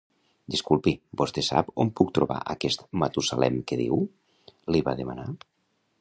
Disculpi, vostè sap on puc trobar aquest Matusalem que diu? —li va demanar.